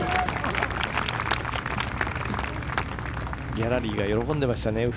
ギャラリーが喜んでましたね。